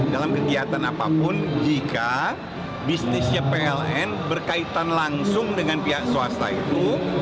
dalam kegiatan apapun jika bisnisnya pln berkaitan langsung dengan pihak swasta itu